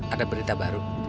ada berita baru